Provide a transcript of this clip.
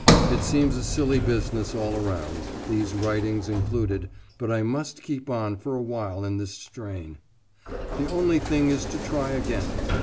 It seems a silly business all around, these writings included, but I must keep on for awhile in this strain. The only thing is to try again.